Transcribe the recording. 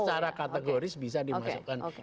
secara kategoris bisa dimasukkan